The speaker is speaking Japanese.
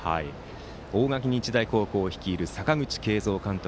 大垣日大高校を率いる阪口慶三監督